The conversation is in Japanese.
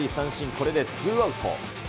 これでツーアウト。